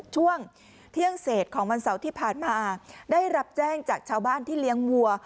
ช่วงเที่ยงเศษของวันเสาร์ที่ผ่านมาได้รับแจ้งจากชาวบ้านที่เลี้ยงวัว